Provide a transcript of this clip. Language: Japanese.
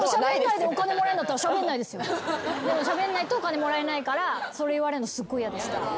でもしゃべんないとお金もらえないからそれ言われるのすごい嫌でした。